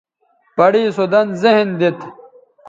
پڑےسو دَن ذہن دیت